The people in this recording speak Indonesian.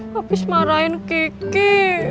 habis marahin kiki